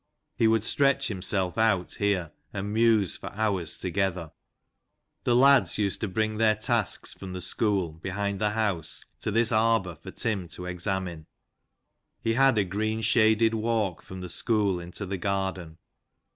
He would stretch himself out here, and muse for hours together. The lads used to bring their tasks from the school, behind the house, to this arbour for Tim to examine. He had a green shaded walk from the school into the garden.